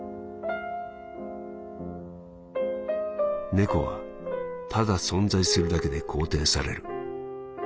「猫はただ存在するだけで肯定される」。